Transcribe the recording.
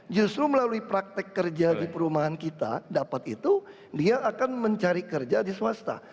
justru melalui praktek kerja di perumahan kita dapat itu dia akan mencari kerja di swasta